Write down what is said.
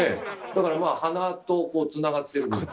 だからまあ鼻とこうつながってるんです。